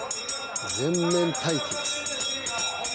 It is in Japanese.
「全面対決」？